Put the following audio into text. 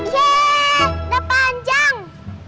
yeay udah panjang